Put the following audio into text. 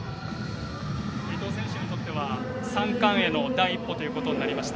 伊藤選手にとっては３冠への第一歩ということになりました。